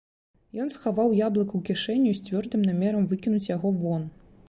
Ён схаваў яблык у кішэню з цвёрдым намерам выкінуць яго вон.